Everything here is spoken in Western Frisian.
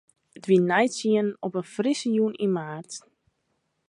It wie nei tsienen op in frisse jûn yn maart.